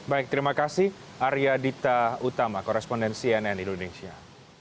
baik terima kasih arya dita utama korespondensi nn indonesia